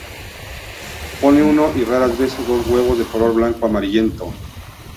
Pone uno y raras veces dos huevos de color blanco-amarillento.